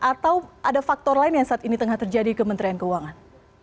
atau ada faktor lain yang saat ini tengah terjadi kementerian keuangan